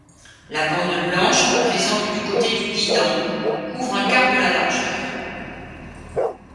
La bande blanche, présente du côté du guidant, couvre un quart de la largeur.